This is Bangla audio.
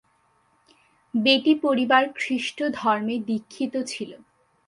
বেটি পরিবার খ্রিস্টধর্মে দীক্ষিত ছিল।